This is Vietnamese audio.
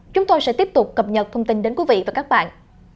chúng tôi sẽ tiếp tục cập nhật thông tin đến quý vị và các bạn